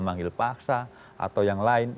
memanggil paksa atau yang lain